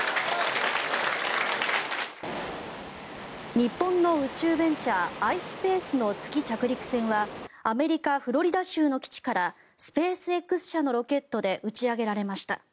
日本の宇宙ベンチャーｉｓｐａｃｅの月着陸船はアメリカ・フロリダ州の基地からスペースＸ社のロケットで打ち上げられました。